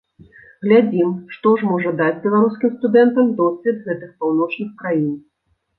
Глядзім, што ж можа даць беларускім студэнтам досвед гэтых паўночных краін.